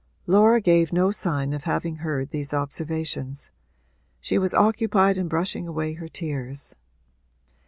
Laura gave no sign of having heard these observations; she was occupied in brushing away her tears.